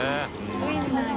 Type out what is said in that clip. ウインナーが。